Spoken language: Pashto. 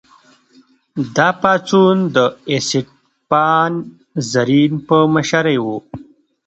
دا پاڅون د اسټپان رزین په مشرۍ و.